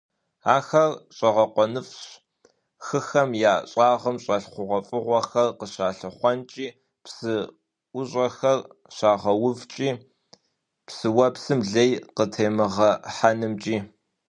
Ахэр щIэгъэкъуэныфIщ хыхэм я щIагъым щIэлъ хъугъуэфIыгъуэхэр къыщалъыхъуэкIи, псы IущIэхэр щагъэувкIи, щIыуэпсым лей къытемыгъэхьэнымкIи.